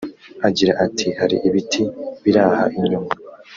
Agira ati "Hari ibiti biraha inyuma